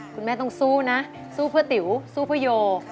คุณแม่ต้องสู้นะสู้เพื่อติ๋วสู้เพื่อโย